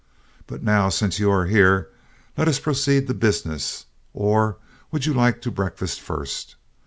But now since you are here, let us proceed to business, or would you like to breakfast first?